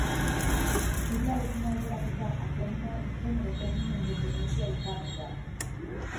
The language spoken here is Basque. Siglarekin alderatuta, akronimoa izen edo termino independentea izan ohi da.